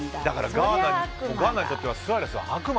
ガーナにとってはスアレスは悪魔。